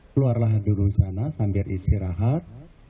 keluarlah dulu sana sambil istirahat